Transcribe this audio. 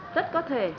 rất có thể